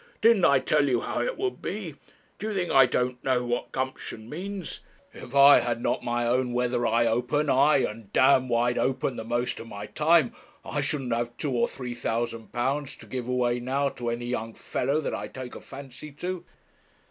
didn't I tell you how it would be? Do you think I don't know what gumption means? If I had not had my own weather eye open, aye, and d wide open, the most of my time, I shouldn't have two or three thousand pounds to give away now to any young fellow that I take a fancy to.'